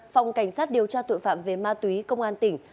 phòng cảnh sát điều tra tội phạm về ma túy công an tỉnh